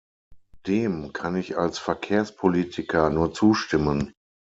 Dem kann ich als Verkehrspolitiker nur zustimmen.